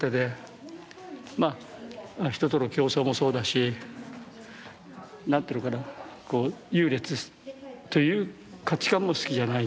まあ人との競争もそうだし何ていうのかな優劣という価値観も好きじゃないし。